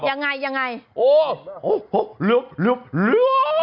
ยังไงยังไง